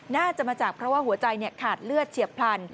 น่าจะมาจากเพราะว่าหัวใจขาดเลือดเฉียบพลัน